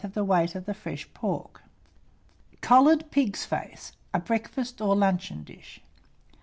on the weight of the fresh pork. COLLARED PIG'S FACE (a Breakfast or Luncheon Dish).